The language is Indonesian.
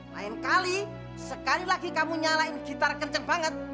lain kali sekali lagi kamu nyalain gitar kencer banget